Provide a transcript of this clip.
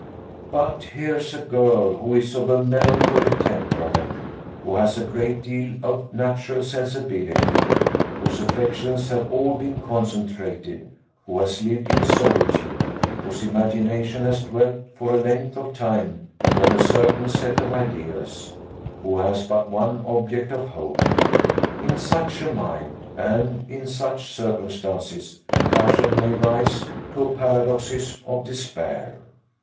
But here's a girl, who is of a melancholy temperament, who has a great deal of natural sensibility, whose affections have all been concentrated, who has lived in solitude, whose imagination has dwelt, for a length of time, upon a certain set of ideas, who has but one object of hope; in such a mind, and in such circumstances, passion may rise to a paroxysm of despair."